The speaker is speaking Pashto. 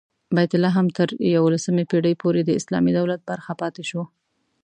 بیت لحم تر یوولسمې پېړۍ پورې د اسلامي دولت برخه پاتې شو.